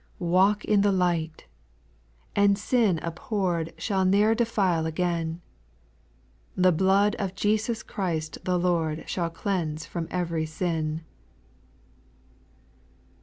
3. Walk in the light ! and sin abhorred Shall ne'er defile again ; The blood of Jesus Christ the Lord Shall cleanse from every sin.